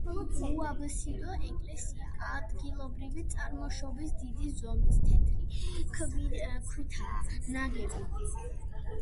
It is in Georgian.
უაბსიდო ეკლესია ადგილობრივი წარმოშობის დიდი ზომის თეთრი ქვითაა ნაგები.